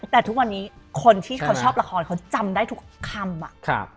แต่ทุกวันนี้คนที่เขาชอบละครเขาจำได้ทุกคำอะ